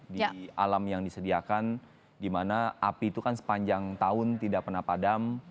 di alam yang disediakan di mana api itu kan sepanjang tahun tidak pernah padam